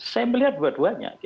saya melihat dua duanya